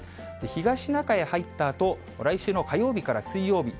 東シナ海へ入ったあと、来週の火曜日から水曜日、